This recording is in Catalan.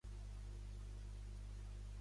En el seu centre hi ha la fòvea òptica.